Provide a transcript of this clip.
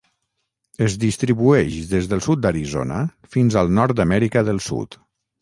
Es distribueix des del sud d'Arizona, fins al nord d'Amèrica del Sud.